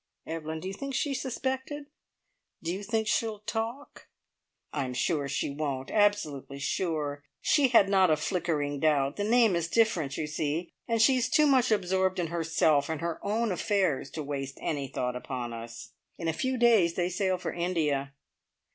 Evelyn, do you think she suspected? Do you think she will talk?" "I am sure she won't. Absolutely sure. She had not a flickering doubt. The name is different, you see, and she is too much absorbed in herself and her own affairs to waste any thought upon us. In a few days they sail for India."